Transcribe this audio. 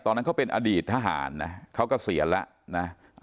ตอนนั้นเขาเป็นอดีตทหารนะเขาก็เสียนละนะ